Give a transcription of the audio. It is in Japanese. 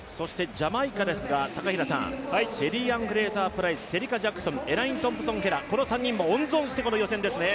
ジャマイカですが、シェリーアン・フレイザー・プライス、シェリカ・ジャクソン、エライン・トンプソン・ヘラ、この３人を温存してこの予選ですね。